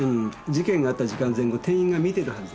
事件があった時間前後店員が見てるはずだから。